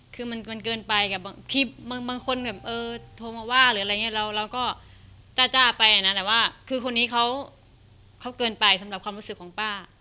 คือมันเกินไปบางคนโทรมาว่าเราก็จ้าไปนะแต่ว่าคนนี้เขาเกินไปสำหรับความรู้สึกของป้า